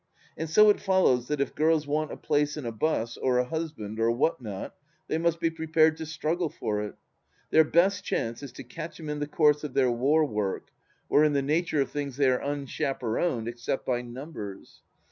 And so it follows that if girls want a place in a bus, or a husband, or what not, they must be prepared to struggle for it. Their best chance is to catch him in the course of their war work, where in the nature of things they are unchaperoned — except by numbers.